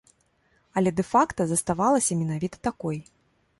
Але дэ-факта заставалася менавіта такой.